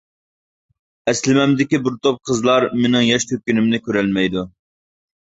ئەسلىمەمدىكى بىر توپ قىزلار مېنىڭ ياش تۆككىنىمنى كۆرەلمەيدۇ.